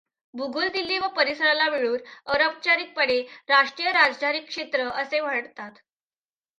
भूगोल दिल्ली व परिसराला मिळून अनौपचारिकपणे राष्ट्रीय राजधानी क्षेत्र असे म्हणतात.